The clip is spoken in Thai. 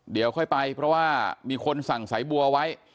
เดี๋ยวค่อยไปเพราะว่ามีคนสั่งสายบัวไว้